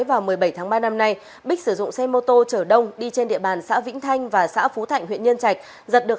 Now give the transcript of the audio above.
vào một mươi bảy tháng ba năm nay bích sử dụng xe mô tô chở đông đi trên địa bàn xã vĩnh thanh và xã phú thạnh huyện nhân trạch giật được